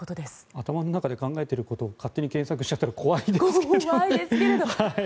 頭の中で考えていることを勝手に検索しちゃったら怖いですけれど。